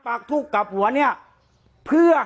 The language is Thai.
การแก้เคล็ดบางอย่างแค่นั้นเอง